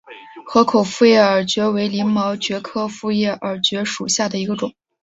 河口复叶耳蕨为鳞毛蕨科复叶耳蕨属下的一个种。